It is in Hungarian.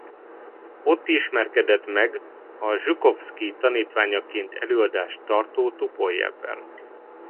Ott ismerkedett meg a Zsukovszkij tanítványaként előadást tartó Tupoljevvel.